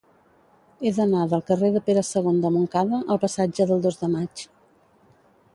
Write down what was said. He d'anar del carrer de Pere II de Montcada al passatge del Dos de Maig.